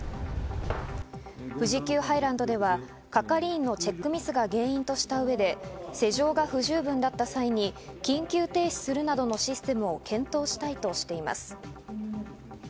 富士急ハイランドでは係員のチェックミスが原因とした上で、施錠が不十分だった際に緊急停止するなどのシステムを検討したいとしています。